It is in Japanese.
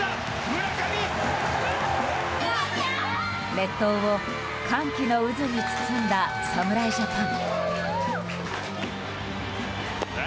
列島を歓喜の渦に包んだ侍ジャパン。